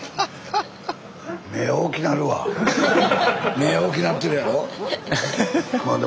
目大きなってるやろ？